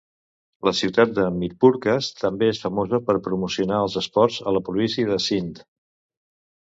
La ciutat de Mirpurkhas també és famosa per promocionar els esports a la província de Sindh.